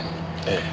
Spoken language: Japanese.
ええ。